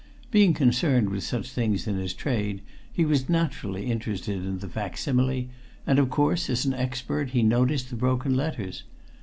Being concerned with such things in his trade, he was naturally interested in the facsimile, and of course, as an expert, he noticed the broken letters.